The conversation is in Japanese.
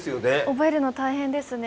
覚えるの大変ですね。